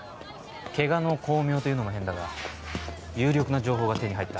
怪我の功名というのも変だが有力な情報が手に入った。